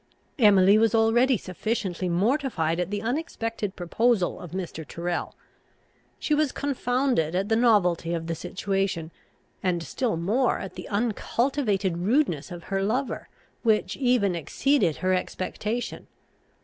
Emily was already sufficiently mortified at the unexpected proposal of Mr. Tyrrel. She was confounded at the novelty of the situation, and still more at the uncultivated rudeness of her lover, which even exceeded her expectation.